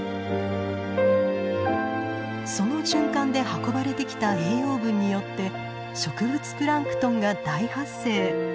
その循環で運ばれてきた栄養分によって植物プランクトンが大発生。